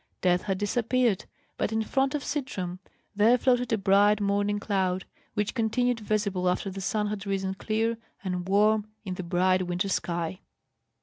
Death had disappeared; but in front of Sintram there floated a bright morning cloud, which continued visible after the sun had risen clear and warm in the bright winter sky.